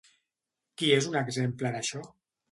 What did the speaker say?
Qui és un exemple d'això?